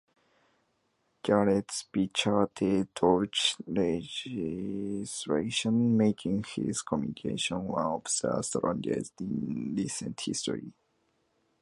Garrett spearheaded tough legislation, making his commission one of the strongest in recent history.